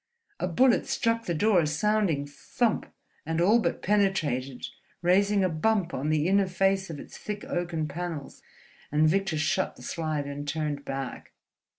A bullet struck the door a sounding thump and all but penetrated, raising a bump on the inner face of its thick oaken panels; and Victor shut the slide and turned back.